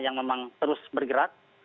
yang memang terus bergerak